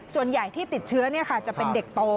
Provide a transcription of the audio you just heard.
ส่วนใหญ่ที่ติดเชื้อจะเป็นเด็กโต